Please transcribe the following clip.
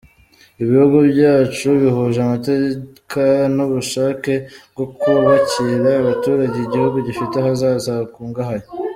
Ibihugu byacu bihuje amateka n’ubushake bwo kubakira abaturage igihugu gifite ahazaza hakungahaye.